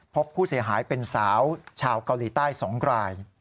พบผู้เสียหายเป็นสาวชาวเกาหลีใต้๒ราย